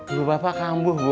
ibu bapak kambuh bu